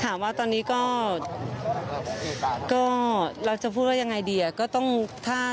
ถามว่าตอนนี้ก็เราจะพูดว่ายังไงดีอะ